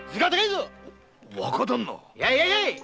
やいやい！